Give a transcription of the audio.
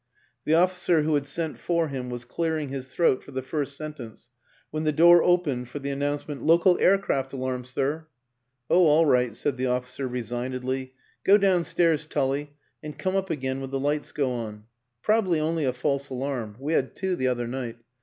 The officer who had sent for him was clearing his throat for the first sentence when the door opened for the announce ment, " Local aircraft alarm, sir." " Oh, all right," said the officer resignedly. " Go downstairs, Tully, and come up again when the lights go on. Probably only a false alarm we had two the other night.